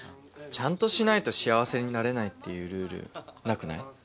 ちゃんとしないと幸せになれないっていうルールなくない？